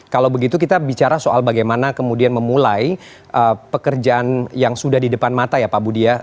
kalau begitu kita bicara soal bagaimana kemudian memulai pekerjaan yang sudah di depan mata ya pak budi ya